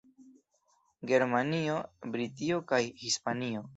Germanio, Britio kaj Hispanio.